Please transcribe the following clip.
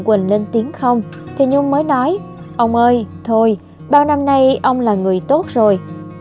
quỳnh lên tiếng không thì nhung mới nói ông ơi thôi bao năm nay ông là người tốt rồi